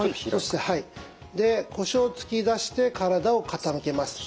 で腰を突き出して体を傾けます。